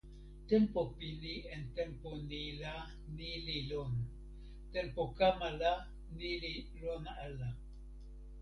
tenpo pini en tenpo ni la ni li lon. tenpo kama la ni li lon ala.